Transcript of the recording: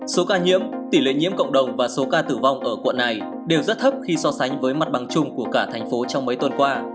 số ca nhiễm tỷ lệ nhiễm cộng đồng và số ca tử vong ở quận này đều rất thấp khi so sánh với mặt bằng chung của cả thành phố trong mấy tuần qua